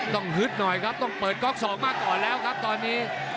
ฮึดหน่อยครับต้องเปิดก๊อกสองมาก่อนแล้วครับตอนนี้